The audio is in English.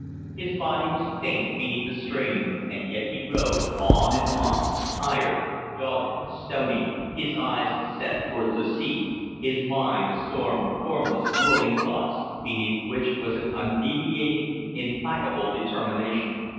His body was faint beneath the strain, and yet he rode on and on, tired, dogged, stony, his eyes set towards the sea, his mind a storm of formless, whirling thoughts, beneath which was an undeviating, implacable determination.